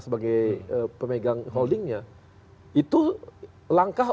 sebagai pemegang holdingnya itu langkah